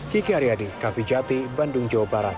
kiki haryadi kavijati bandung jawa barat